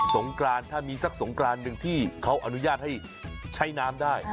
งกรานถ้ามีสักสงกรานหนึ่งที่เขาอนุญาตให้ใช้น้ำได้